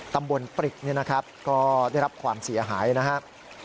ปริกก็ได้รับความเสียหายนะครับ